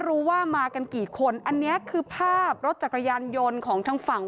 รู้ว่ามากันกี่คนอันนี้คือภาพรถจักรยานยนต์ของทางฝั่ง